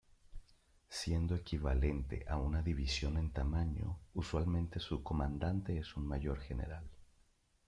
Siendo equivalente a una división en tamaño, usualmente su comandante es un mayor general.